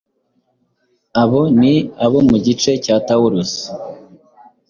Abo ni abo mu gice cya Taurus,